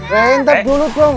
rentap dulu dong